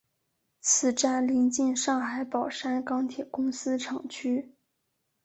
此站邻近上海宝山钢铁公司厂区。